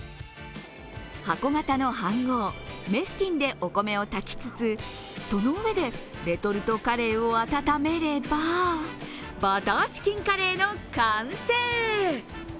箱形の飯ごう、メスティンでお米を炊きつつその上でレトルトカレーを温めればバターチキンカレーの完成。